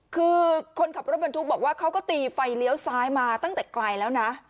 คือคนขับรถบรรทุกบอกว่าเขาก็ตีไฟเลี้ยวซ้ายมาตั้งแต่ไกลแล้วนะ